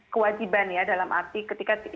kewajiban ya dalam arti ketika